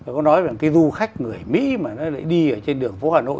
có nói về một cái du khách người mỹ mà nó lại đi ở trên đường phố hà nội